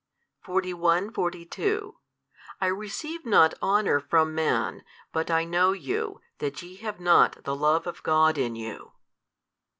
41, 42 I receive not honour from man, but I know you, that ye have not the Love of God in you.